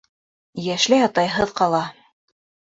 Йәшләй атайһыҙ ҡала.